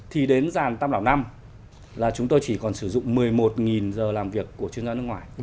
thì đến dàn tam đảo năm là chúng tôi chỉ còn sử dụng một mươi một giờ làm việc của chuyên gia nước ngoài